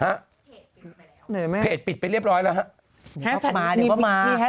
เพจปิดไปเรียบร้อยแล้ว